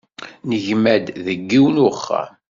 Negma-d deg yiwen uxxam